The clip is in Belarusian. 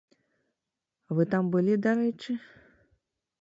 Вы там былі, дарэчы?